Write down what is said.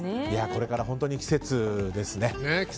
これから本当に季節ですね。